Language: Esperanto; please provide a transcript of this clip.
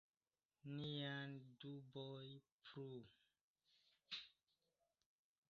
Neniaj duboj plu!